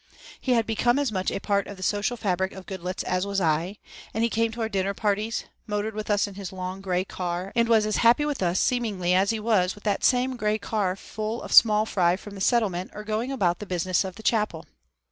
He had become as much a part of the social fabric of Goodloets as was I, and he came to our dinner parties, motored with us in his long, gray car and was as happy with us seemingly as he was with that same gray car full of small fry from the Settlement or going about the business of the chapel.